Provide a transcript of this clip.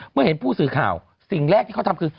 เมื่อเห็นผู้สื่อข่าวสิ่งแรกที่เขาทำคือ